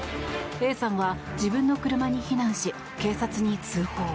Ａさんは自分の車に避難し警察に通報。